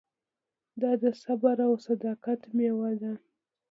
دا د صبر او صداقت مېوه ده.